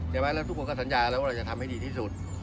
แล้วทุกคนก็สัญญาแล้วว่าเราจะทำให้ดีที่สุด